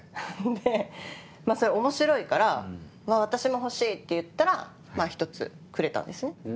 でそれ面白いから「私も欲しい」って言ったら１つくれたんですね。